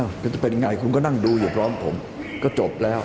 แล้วจะเป็นยังไงคุณก็นั่งดูอยู่พร้อมผมก็จบแล้ว